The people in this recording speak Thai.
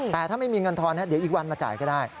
แต่ถ้าไม่มีเงินทอนเดี๋ยวอีกวันมาจ่ายก็ได้